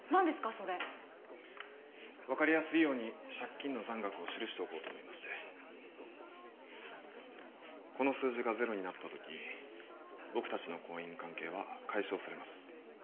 それ分かりやすいように借金の残額を記しておこうと思いましてこの数字がゼロになった時僕たちの婚姻関係は解消されます